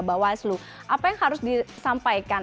bawaslu apa yang harus disampaikan